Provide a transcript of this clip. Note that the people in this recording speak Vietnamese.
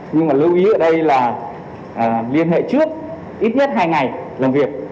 nhưng mà lưu ý ở đây là liên hệ trước ít nhất hai ngày làm việc